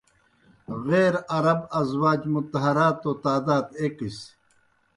غیر عرب ازواج مطہراتوْ تعداد ایْکِس۔